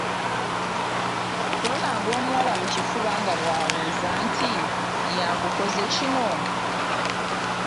Ku luno agwa omuwala mu kifuba nga bw’abuuza nti, “yakukoze kino?"